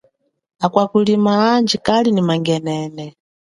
Akwa kulima andji kali nyi mangenene.